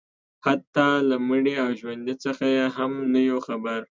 حتی له مړي او ژوندي څخه یې هم نه یو خبر